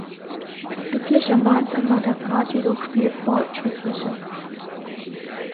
Glücklicherweise war der Rat jedoch viel fortschrittlicher.